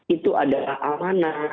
itu adalah amanah